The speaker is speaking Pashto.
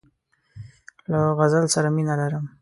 له غزل سره مینه لرم.